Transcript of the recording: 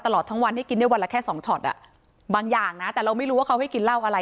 ตลอดทั้งวันที่กินได้วันละแค่สองช็อตอ่ะบางอย่างนะแต่เราไม่รู้ว่าเขาให้กินเหล้าอะไร